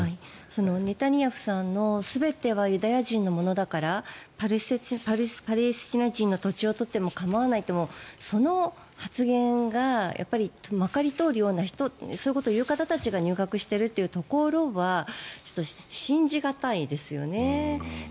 ネタニヤフさんの全てはユダヤ人のものだからパレスチナ人の土地を取っても構わないってその発言がまかり通るようなそういうことを言う人たちが入閣しているというところは信じ難いですよね。